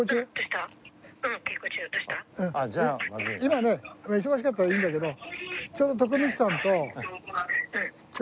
今ね忙しかったらいいんだけど。